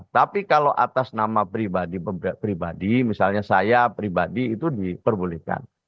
tapi kalau atas nama pribadi misalnya saya pribadi itu diperbolehkan